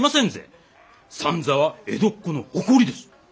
三座は江戸っ子の誇りです。